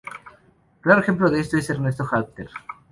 Claro ejemplo de esto es Ernesto Halffter.